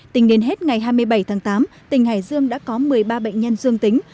tính đến hết ngày hai mươi bảy tháng tám tỉnh hải dương đã có một mươi ba bệnh nhân dương tính